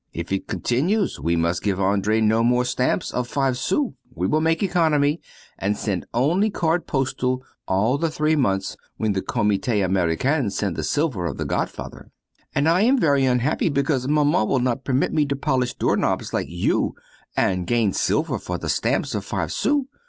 If it continues we must give Andree no more stamps of five sous. We will make the economy and send only a card postal all the three months when the Comité Americain send the silver of the godfather." And I am very unhappy because Maman will not permit me to polish door knobs like you and gain silver for the stamps of five sous.